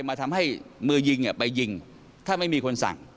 มาทำให้มือยิงไปยิงถ้าไม่มีคนสั่ง